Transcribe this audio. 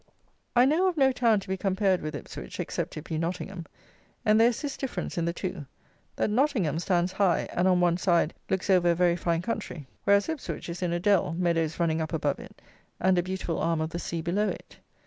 I know of no town to be compared with Ipswich, except it be Nottingham; and there is this difference in the two; that Nottingham stands high, and, on one side, looks over a very fine country; whereas Ipswich is in a dell, meadows running up above it, and a beautiful arm of the sea below it.